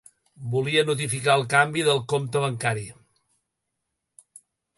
Volia notificar el canvi de el compte bancari.